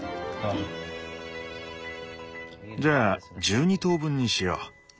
じゃあ１２等分にしよう。